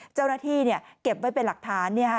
เจ้าหน้าที่เนี่ยเก็บไว้เป็นหลักฐานเนี่ยค่ะ